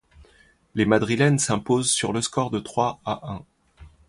Les Madrilènes s'imposent sur le score de trois à un.